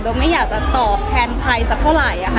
เบลไม่อยากต่อแทนใครสักเท่าไรอะค่ะ